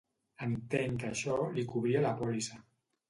Entenc que això li cobria la pòlissa.